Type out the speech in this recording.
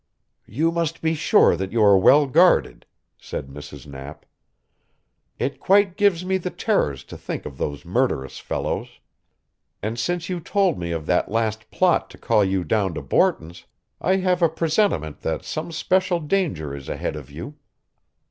"You must be sure that you are well guarded," said Mrs. Knapp. "It quite gives me the terrors to think of those murderous fellows. And since you told me of that last plot to call you down to Borton's, I have a presentiment that some special danger is ahead of you.